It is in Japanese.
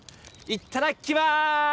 いっただきます！